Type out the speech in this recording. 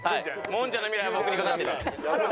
もんじゃの未来は僕に懸かってる。